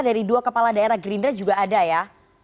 dari dua kepala daerah gerindra juga ada ya